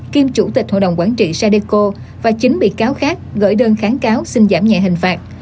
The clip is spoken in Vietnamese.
kiêm chủ tịch hội đồng quản trị sadeco và chín bị cáo khác gửi đơn kháng cáo xin giảm nhẹ hình phạt